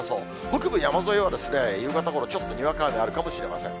北部山沿いはですね、夕方ごろ、ちょっとにわか雨あるかもしれません。